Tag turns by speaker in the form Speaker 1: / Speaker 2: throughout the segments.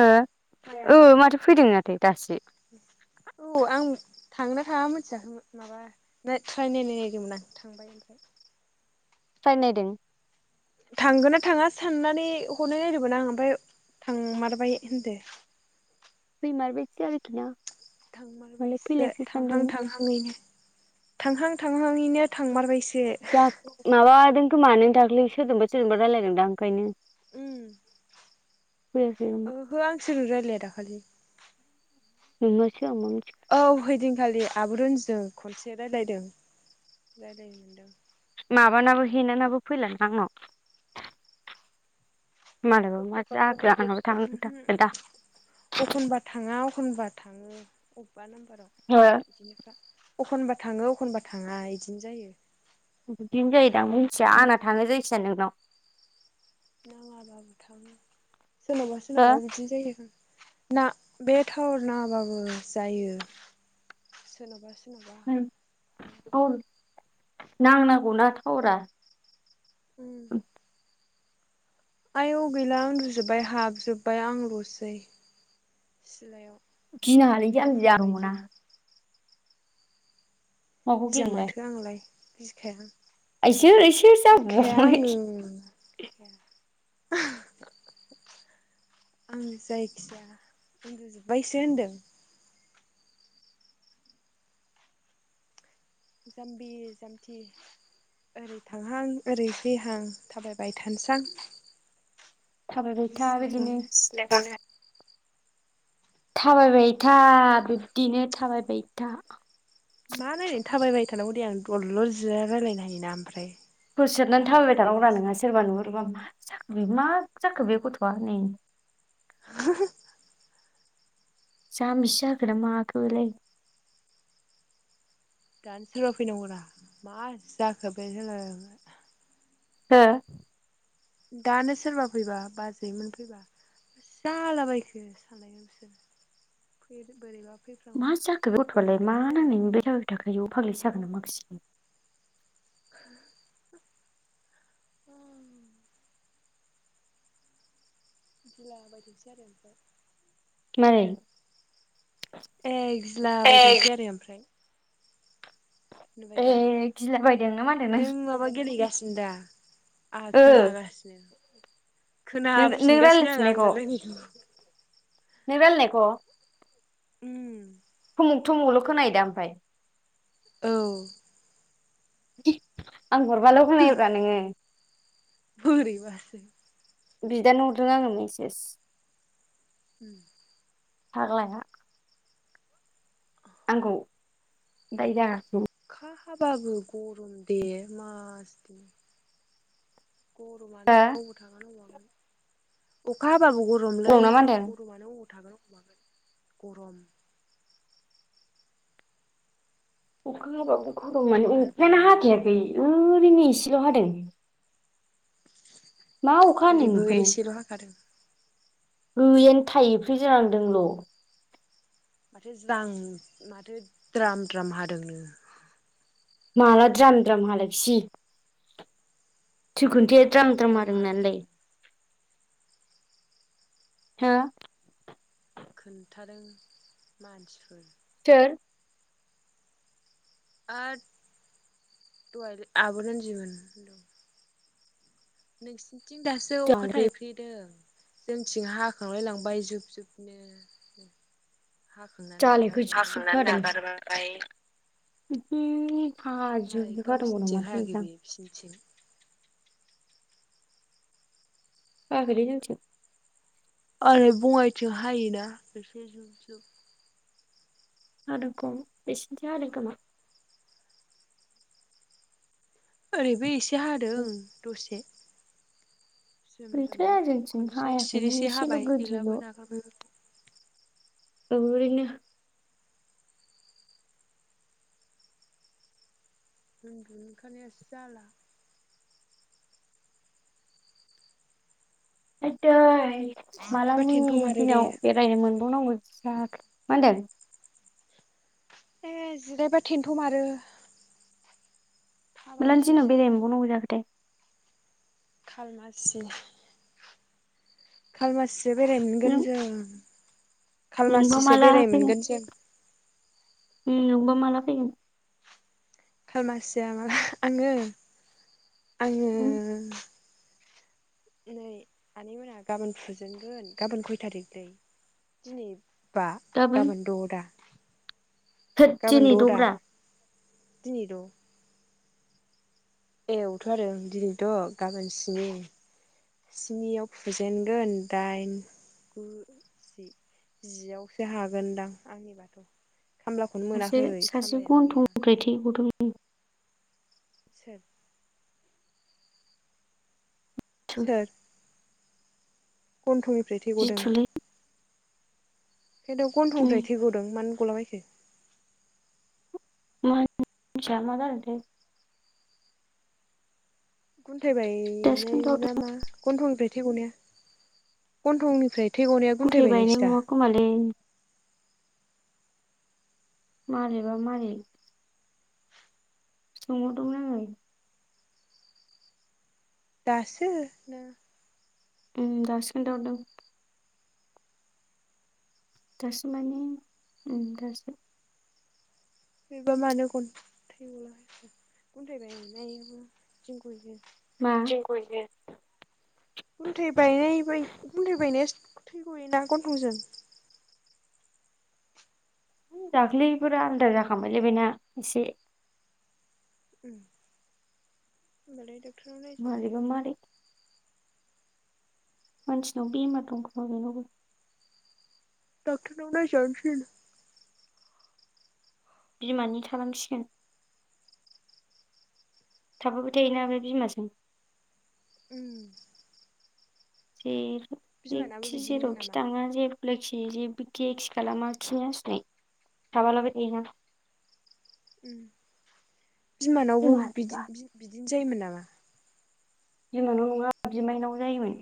Speaker 1: हो ओ माथो फैदों माथो दासो
Speaker 2: [inaudible] औ आं थांना थाङा मोनथियाखैमोन माबा ट्राइ नायनो नागिरदोंमोन आं थांबाय ओमफ्राय [inaudible]
Speaker 1: थ्राय नायदों
Speaker 2: थांगोन ना थाङा साननानै हरनाय नायदोंमोन आं ओमफ्राय थांमारबाय होनदो
Speaker 1: फैमारबायसो आरोखिना
Speaker 2: थांमारबायसो थांहां थांहांयैनो थांहां थांहां यैनो थांमारबायसो
Speaker 1: माबादों खोमा नों दाख्लै सोरजोंबा सोरजोंबा रायजलायदों दां ओंखायनो
Speaker 2: ओम
Speaker 1: फैयाखै खोमा
Speaker 2: ओहो आं सोरजों रायलाया दाखालि
Speaker 1: नोंहा
Speaker 2: औ हैैदिनखालि आब' रनजिजों खनसे रायज्लायदों राय्लायनो मोनदों
Speaker 1: माबानाबो हेनानाबो फैलाना आंनाव मालायबा मा जाखो आंनाबो थांनो थाखाय दा
Speaker 2: एखनबा थाङा एखनबा थाङो अबेबा नाम्बाराव
Speaker 1: हो
Speaker 2: बिदिनोखा एखनब्ला थाङो एखनब्लाा थाङा बिदिनो जायो
Speaker 1: बिदिनो जायोदां
Speaker 2: थाव
Speaker 1: मिथिया आंना
Speaker 2: उम
Speaker 1: थाङो जायखिजाया नोंनाव
Speaker 2: नाङाबाबो थांनो सोरनावबा सोरनावबा बिदिनो जायो ना बे थावार नाङाबाबो जायो सोरनाबा [unintelligible]
Speaker 1: हो नांनांगौना थावारा
Speaker 2: ओम आय' गैला उन्दुजोबबाय हाबजोबबाय आंल'सै सिलायाव
Speaker 1: गिनाङालै जामबि
Speaker 2: बुहुद
Speaker 1: आं
Speaker 2: बायदि
Speaker 1: दङना माखौ
Speaker 2: गिया माथो आंलाय गिखाया
Speaker 1: आइसोर इसोर
Speaker 2: गिखाया
Speaker 1: जाबाव
Speaker 2: आङो [unintelligible] आं जायखिजया उन्दुजोबबायसो होनदों जाम्बि जामथि ओरै थांहां ओरै जहां थाबायबाय थानोसां
Speaker 1: थाबायबायैथा बिदिनो
Speaker 2: सिलायावनो
Speaker 1: थाबायबाय था बिब्दिनो थाबायबाय था
Speaker 2: मा नायनाय थाबायबाय थानांगौ दे आं दलल' जिया रायजलायनो हायोना ओमफ्राय
Speaker 1: थस सुनानै थाबायबाय थानांगौरा
Speaker 2: जाम्बिसो
Speaker 1: नोंहाया सोरबा नुहुरबा जाखो मा जाखो बे गथ'आ नै
Speaker 2: [unintelligible]
Speaker 1: जामबिसो जाखोना माखो बेलाय
Speaker 2: दानो सोरबाव फैनांगौरा मा जाखो बे सोल
Speaker 1: हो
Speaker 2: दानो सोरबा फैबा बाजैमोन फैबा जालाबायखो सानायावसो फ बोरैबा
Speaker 1: मा
Speaker 2: फैफ्लांबा
Speaker 1: जाखो बे गथ'आलाय मा
Speaker 2: उन्दुखायाखै नालाय
Speaker 1: नांनायनि बेरायबाय थाखो बेयाव फागलिसो जागोन ना माखासि
Speaker 2: उम बिदिला बदिथिारस
Speaker 1: नै
Speaker 2: ए गिला बायदोंसै आरो ओमफ्राय नुबाय दा
Speaker 1: ए गिलाबायदों ना मादों
Speaker 2: नों माबा गेलेगासिनो दा आं
Speaker 1: ओ
Speaker 2: खोनागासिनो
Speaker 1: नों नों
Speaker 2: खोनाफिनगासिनो आं
Speaker 1: रायलायफिननायखौ
Speaker 2: आंजोंरायलायनायखौ
Speaker 1: अ
Speaker 2: उम
Speaker 1: [unintelligible] मुलु खोनायोदा ओमफाय
Speaker 2: औ
Speaker 1: आं हरबाल' खोनायोब्रा नोङो।
Speaker 2: बोरैबासो
Speaker 1: बिदानो हरदों आङो मेसेज
Speaker 2: उम
Speaker 1: फाग्लाया आंखौ दाय जागासिनो
Speaker 2: अखा हाबाबो गरम दे मासदिनि गरमानो
Speaker 1: हो
Speaker 2: अबाव थागोन अबाव मागोन अखा हाबाबो गरमलै
Speaker 1: गरम ना मा होनदों?
Speaker 2: गरमानो अबाव थागोन ओबाव मागोन अखा हाबाबो गरम
Speaker 1: अखा हाबाबो खर' माने
Speaker 2: बारबो
Speaker 1: अखायानो
Speaker 2: गैया
Speaker 1: हाखायाखै ओ रैनो एसेल' हादों। मा अखा हानाय
Speaker 2: ओरैबो
Speaker 1: नुखो
Speaker 2: एसेल' हाखादों
Speaker 1: नों। गैयानो थायैफ्रि ज्रांदोंल'।
Speaker 2: माथो ज्रां माथो द्राम द्राम हादोंनो।
Speaker 1: माला द्राम द्राम हालायखोसि सोर खिनथाया द्राम द्राम हादों होनानलाय? हो?
Speaker 2: खोन्थादों मानसिफोर।
Speaker 1: [unintelligible]
Speaker 2: आद दहाय आब' रोन्दि मोन नोंसिनिथिं दासो अखा
Speaker 1: जालायखो
Speaker 2: थाफ्रिदों? जोंथिं हाखांलाय लांबाय जुब जुबनो। हाखांनानै
Speaker 1: जालायखो
Speaker 2: नागारबाय
Speaker 1: [unintelligible]
Speaker 2: मालाय
Speaker 1: हादोंबावनो
Speaker 2: गावसिनिथिं
Speaker 1: माथो
Speaker 2: हायाखै
Speaker 1: नोंथां
Speaker 2: बे बिसिनिथिं।
Speaker 1: हाया खैलै जोंथिं।
Speaker 2: ओरै बङाइथिं हायोना एसे जुब जुब।
Speaker 1: [unintelligible] बेसिनिथि हादों खोमा।
Speaker 2: ओरैबो एसे हादों दसे। जोम जोम
Speaker 1: गैथ्राया
Speaker 2: हा
Speaker 1: जोंथिं
Speaker 2: खनसे
Speaker 1: हायाखैनो
Speaker 2: सिरिसे
Speaker 1: एसेल'
Speaker 2: हाबाय
Speaker 1: गोदैल'
Speaker 2: गैलाबो नागार बायबो।
Speaker 1: ओरैनो
Speaker 2: उन्दुनो ओंखारनायासो जाला।
Speaker 1: आयदै
Speaker 2: जिरायबा
Speaker 1: मालानि
Speaker 2: थेन्थ' मारो दे
Speaker 1: दिनाव बेरायनो मोनबावनांगौ मा होनदों।
Speaker 2: ए जिरायबा थेन्थ' मारो।
Speaker 1: मालानि दिनाव
Speaker 2: थाबायनोसैसो आं
Speaker 1: बेरायनो मोनबावनांगौ जाखोथाय।
Speaker 2: खालमासि खालमासिसो बेरायनो मोनगोन
Speaker 1: नों
Speaker 2: जों।
Speaker 1: नोंबा
Speaker 2: खालमासिसो
Speaker 1: माला
Speaker 2: बेराय
Speaker 1: फैगोन
Speaker 2: मोनगोन जों
Speaker 1: ओं नोंबा माला फैगोन।
Speaker 2: खालमासिया मा आङो आङो
Speaker 1: उम
Speaker 2: नै आनैमोना गाबोन फुजेनगोन गाबोन खय थारिखलै दिनै बा गाबोन द'दा।
Speaker 1: थोद दिनि दग्रा
Speaker 2: दिनि द' ए औथ' आरो ओं दिनै द गाबोन स्नि स्निआव फुजेनगोन दाइन गु जि जियावसो हागोनदां आंनिबाथ' खामलाखौनो
Speaker 1: सासे
Speaker 2: मोनाखै
Speaker 1: सासे
Speaker 2: खामलायानो
Speaker 1: गन्थं
Speaker 2: गैया
Speaker 1: निफ्राय थै गदोंनो।
Speaker 2: सोर सोर गन्थंनिफ्राय थै गदों।
Speaker 1: जिथुलै
Speaker 2: खिन्थु
Speaker 1: उम
Speaker 2: गन्थंनिफ्राय थै गदों मानो गलाबायखो?
Speaker 1: [unintelligible] मोनथिया मा‌ जादोंथाय
Speaker 2: गुन्थाय
Speaker 1: दासो
Speaker 2: बायनाय
Speaker 1: खोन्थाहरदों
Speaker 2: नामा गन्थंनिफ्राय थै गनाया गन्थंनिफ्राय थै गनाया गुनथाय
Speaker 1: गथाय बायनाय
Speaker 2: बायनायसो दा
Speaker 1: नङा खोमालै मारैबा मारै सोंहरदोंमोन आङो।
Speaker 2: दासो
Speaker 1: उम दासो खोनथा हरदों। दासो माने ओम दासो
Speaker 2: बेबा मानो [unintelligible]
Speaker 1: मा [unintelligible]
Speaker 2: गुन्थाय बायनाय बै गुन्थाय बायनाया थै गयोना गन्थंजों
Speaker 1: दाख्लैफोरा आलदा जाखां बायलै बिना एसे
Speaker 2: [unintelligible] डक्टराव नायजानो
Speaker 1: मारैबा मारै
Speaker 2: हाया
Speaker 1: मानसिनाव बेमार दंखोमा बेनावबो
Speaker 2: दाक्टरनाव नायजानो थिन
Speaker 1: बिमानि थालांसिगोन। थाफाबाय थायोना बे बिमाजों
Speaker 2: उम
Speaker 1: जेर
Speaker 2: बिमानाबो
Speaker 1: एखि
Speaker 2: बिदिनोमोन
Speaker 1: जेरावखि
Speaker 2: नामा
Speaker 1: थाङा जेरा वखि जेबोखि एखि खालामा खिनाय हासुनाय थाबालाबाय थायोना।
Speaker 2: बिमानावबो बिदि
Speaker 1: मारैबा
Speaker 2: बिदिनो जायोमोन नामा?
Speaker 1: बिमानाव नङा बिमाइनाव जायोमोन।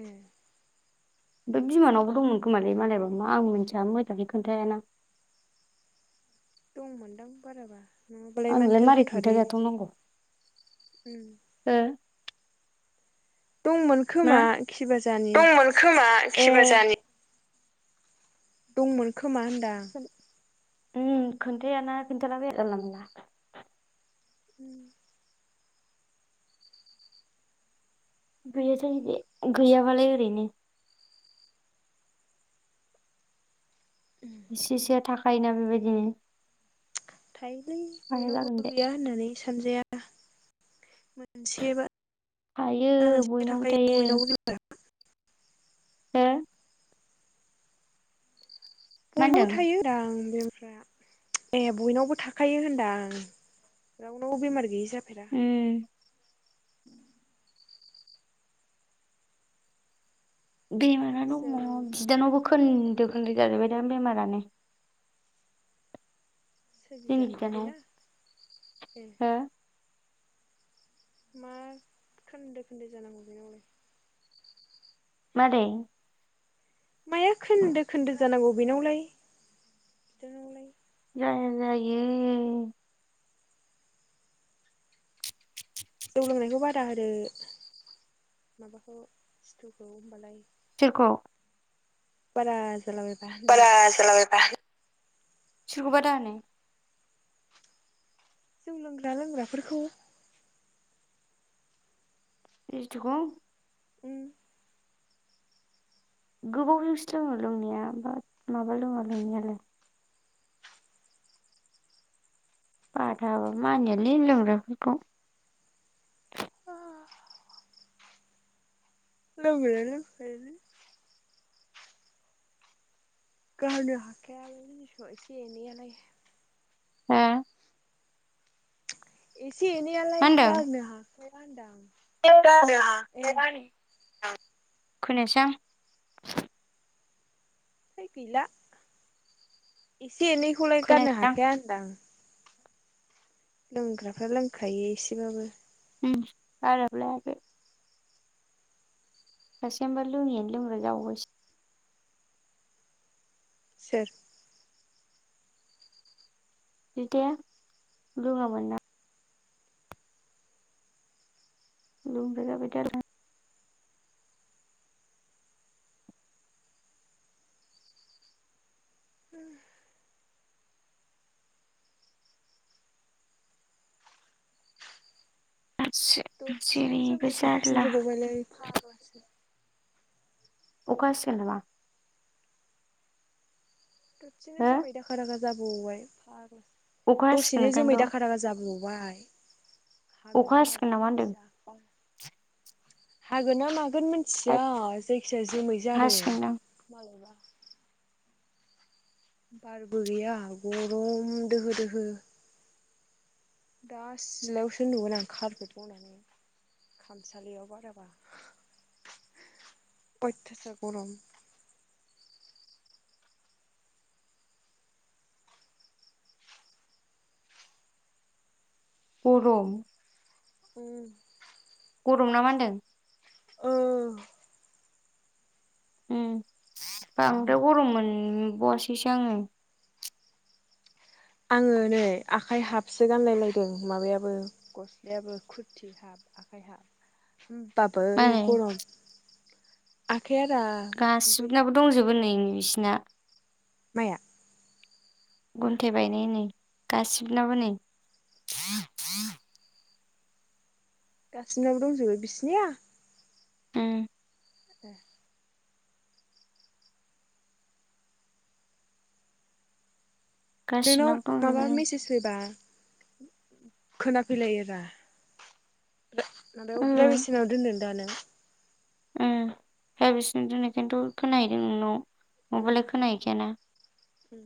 Speaker 2: ए
Speaker 1: फ्राय बिमानावबो दंमोन खोमालै मालायबा मा आं मिथिया मोजाङै खोन्थायाना
Speaker 2: [inaudible] दंमोनदां बाराबा नङाबालाय
Speaker 1: आंनोलाय
Speaker 2: मानोथो
Speaker 1: मारै
Speaker 2: हथारो बिदि
Speaker 1: खोन्थाजाथावनांगौ हो
Speaker 2: दंमोन
Speaker 1: मा
Speaker 2: खोमा खि बाजानि
Speaker 1: दंमोन खोमा
Speaker 2: ए
Speaker 1: खिबाजानि
Speaker 2: दंमोन खोमा होनदां।
Speaker 1: उ खोनथायाना खिन्थालाबाया जानला मानला
Speaker 2: उम
Speaker 1: गैया जोंनिथिं गैयाबालाय ओरैनो इसे इसेआ थाखायोना बेबायदिनो
Speaker 2: थायोलै
Speaker 1: हाया जागोन
Speaker 2: बयनावबो
Speaker 1: दे
Speaker 2: गैया होननानै सानजाया मोनसेबा
Speaker 1: थायो
Speaker 2: मोनसेबा मोनसे
Speaker 1: बयनावबो
Speaker 2: थाखायो
Speaker 1: थायो
Speaker 2: बयनावबो
Speaker 1: हो मा
Speaker 2: बयनावबो
Speaker 1: होनदों उम
Speaker 2: थायो होनदो आं बे ए बयनावबो थाखायो होनदो आं रावनावबो बेमार गैयि जा जाफेरा
Speaker 1: बेमारा दङ
Speaker 2: जों
Speaker 1: बिदानावबो खोन्दो खोन्दो जाजोबबाय दा बेमारानो
Speaker 2: सोर बिदा बेना ए
Speaker 1: हा
Speaker 2: मा खोन्दो खोन्दो जानांगौ बेनावलाय
Speaker 1: मारै
Speaker 2: माया खोन्दो खोन्दो जानांगौ बेनावलाय बिनावलाय
Speaker 1: जायो।
Speaker 2: जौ लोंनायखौ बारा होदो माबाखौ सिथुखौ होनबालाय
Speaker 1: सोरखौ
Speaker 2: बारा जाला बाय
Speaker 1: बारा जाला बायबा सोरखौ बादा होनो
Speaker 2: जौ लोंग्रा लोंग्राफोरखौ
Speaker 1: [inaudible] खौ
Speaker 2: उम
Speaker 1: गोबाव जोंसो लोङो लोंनाया बाट माबा लोङा लोंनायालाय बाथा होबाबो मानियालै लोंग्राफोरखौ
Speaker 2: [inaudible] [unintelligible] गारनो हाखाया [unintelligible] एसे एनैयालाइ
Speaker 1: हा
Speaker 2: एसे एनैयालाय गारनो हाखाया होनदो आं
Speaker 1: [unintelligible]
Speaker 2: है गैला एसे एनैखौलाय गारनो
Speaker 1: खोनायासै आं
Speaker 2: हाखाया होनदां लोंग्राफ्रा लोंखायो एसेबाबो
Speaker 1: उ बाराबो लायाखै [inaudible]
Speaker 2: सोर
Speaker 1: बिदाया रोङामोन ना [unintelligible]
Speaker 2: उम दरसेनो
Speaker 1: जेरैबो जारला
Speaker 2: जोमायखबफिनजोबावबायलै फागलासो
Speaker 1: अखा हासिगोन नामा
Speaker 2: दसेनो
Speaker 1: हो
Speaker 2: जोमै दाखा दाखा जाबोबावबाय
Speaker 1: अखा हासिगोन
Speaker 2: दसेनो जोमै
Speaker 1: ओंखायनोथ'
Speaker 2: दाखा दाखा जाबोबाव बाय हागोन
Speaker 1: अखा
Speaker 2: ना
Speaker 1: हासिगोन
Speaker 2: मागोन
Speaker 1: नामा होनदों
Speaker 2: मिथिया हागोन ना मागोन मिथिया जायखिाया जोमै जादों
Speaker 1: हासिगोनदां
Speaker 2: मायबा बारबो गैया गरम दोहो दोहो दा सिलायावसो नुगोन आं कारफेट बनानै खामसालियाव बाराबा अइथासार गरम
Speaker 1: गरम
Speaker 2: उम
Speaker 1: गरम ना मा होनदों
Speaker 2: औ
Speaker 1: ओ बांद्राय गरम मोनबावासैसो आङो
Speaker 2: आङो नै आखाइ हाबसो गानलायलायदों माबायाबो गस्लायाबो खुरथि हाब आखाइ होनोमबाबो
Speaker 1: मालाय
Speaker 2: गरमखौ
Speaker 1: गासिबनाबो दंजोबो नै बिसिना
Speaker 2: माया
Speaker 1: गुन्थे बायनाय नै गासिबनबो नै
Speaker 2: गासिनावबो दंजोबो बिसिनिया
Speaker 1: उम
Speaker 2: ए नोंनाव
Speaker 1: गासिबनाबो दंजोबो
Speaker 2: माबा
Speaker 1: नै
Speaker 2: मेसेज फैबा खोनाफैलायो दा माबायाव अ ब्रायभेसिनाव दोनदों दानों
Speaker 1: उ भाइब्रेसन आव दोननायखायन्थ खोनाहैदों नोंनाव
Speaker 2: उम
Speaker 1: नङाबालाय खोना हैखाया ना
Speaker 2: उम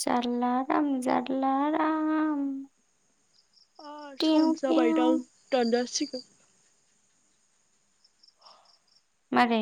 Speaker 1: जारला राम जारला राम
Speaker 2: सम
Speaker 1: देव देव
Speaker 2: जाबायदांं दानजासिगोन
Speaker 1: मारै